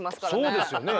そうですよね。